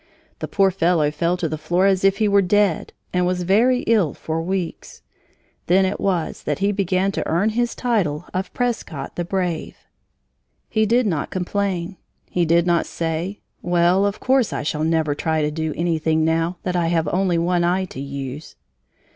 The poor fellow fell to the floor as if he were dead and was very ill for weeks. Then it was that he began to earn his title of Prescott, the brave. He did not complain, he did not say: "Well, of course, I shall never try to do anything now that I have only one eye to use."